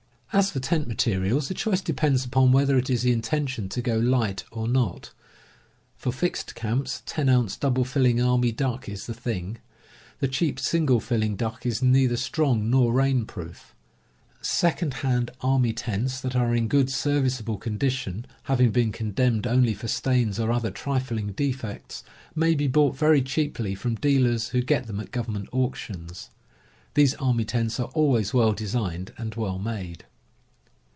As for tent materials, the choice depends upon whether it is the intention to go light or not. For fixed /«^ ^1 ^ i. camps, 10 ounce double filling army Tent Cloth. j i ^u *i, t i, u • i duck is the thmg. ine cheap single filling duck is neither strong nor rain proof. Second hand army tents that are in good, serviceable condi tion, having been condemned only for stains or other trifling defects, may be bought very cheaply from deal ers who get them at government auctions. These army tents are always well designed and well made.